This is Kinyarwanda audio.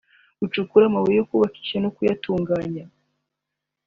gucukura amabuye yo kubakisha no kuyatunganya